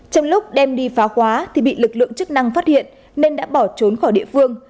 trong lúc đem đi phá khóa thì bị lực lượng chức năng phát hiện nên đã bỏ trốn khỏi địa phương